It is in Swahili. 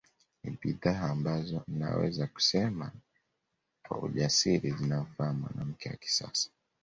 Ni bidhaa ambazo naweza kusema kwa ujasiri zinamfaa mwanamke wa kisasa